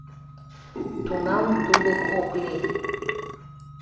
— Тунам тулык ок лий.